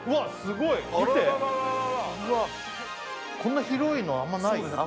見てこんな広いのあんまりないよね